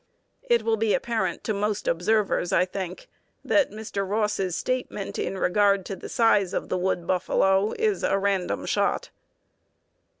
It will be apparent to most observers, I think, that Mr. Ross's statement in regard to the size of the wood buffalo is a random shot.